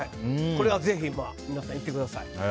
これはぜひ皆さん、行ってください。